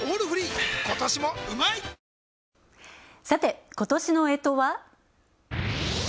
さて今年の干支は？